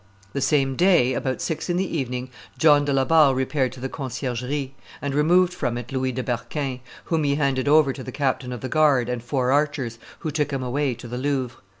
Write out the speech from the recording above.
The same day, about six in the evening, John de la Barre repaired to the Conciergerie, and removed from it Louis de Berquin, whom he handed over to the captain of the guard and four archers, who took him away to the Louvre.